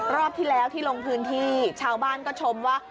รอบที่แล้วที่ลงพื้นที่ชาวบ้านก็ชมว่า